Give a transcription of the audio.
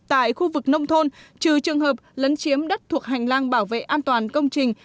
tại khu vực nông thôn trừ trường hợp lấn chiếm đất thuộc hành lang bảo vệ an toàn công trình